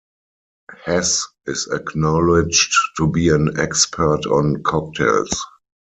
Hess is acknowledged to be an expert on cocktails.